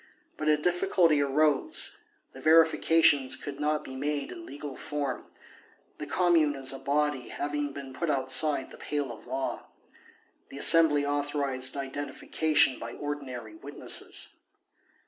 But a difficulty arose; the verifications could not be made in legal form, the Commune as a body having been put outside the pale of law. The Assembly authorized identification by ordinary witnesses.